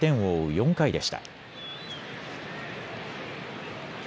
４回でした。